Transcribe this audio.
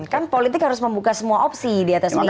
kan politik harus membuka semua opsi di atas lima